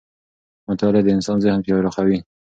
مطالعه د انسان ذهن پراخوي